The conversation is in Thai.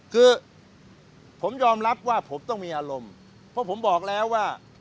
คือผมยอมรับว่าผมต้องมีอารมณ์เพราะผมบอกแล้วว่า